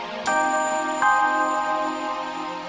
putri winston mesir lagi